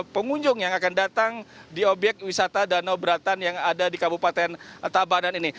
pengunjung yang akan datang di obyek wisata danau beratan yang ada di kabupaten tabanan ini